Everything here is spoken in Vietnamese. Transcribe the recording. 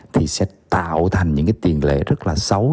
thì sẽ tạo thành những cái tiền lệ rất là xấu